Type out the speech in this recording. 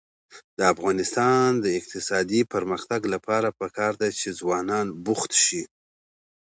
د افغانستان د اقتصادي پرمختګ لپاره پکار ده چې ځوانان بوخت شي.